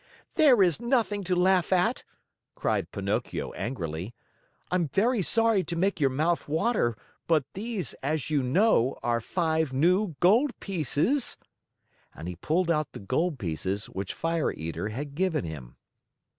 "There is nothing to laugh at," cried Pinocchio angrily. "I am very sorry to make your mouth water, but these, as you know, are five new gold pieces." And he pulled out the gold pieces which Fire Eater had given him.